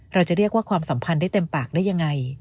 เราจะเรียกว่าความสัมพันธ์ได้เต็มปากได้ยังไง